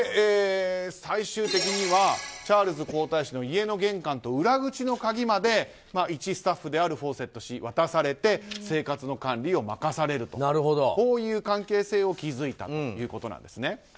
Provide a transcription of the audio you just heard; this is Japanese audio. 最終的にはチャールズ皇太子の家の玄関と裏口の鍵まで一スタッフであるフォーセット氏は渡されて生活の管理を任されるとこういう関係性を築いたということなんです。